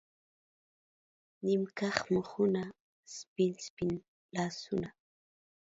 نیم کښ مخونه، سپین، سپین لاسونه